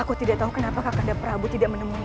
aku tidak tahu kenapa kandai prabu tidak menemuinya